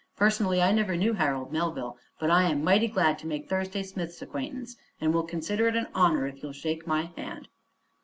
Personally I never knew Harold Melville, but I'm mighty glad to make Thursday Smith's acquaintance and will consider it an honor if you'll shake my hand."